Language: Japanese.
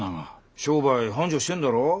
商売繁盛してんだろう？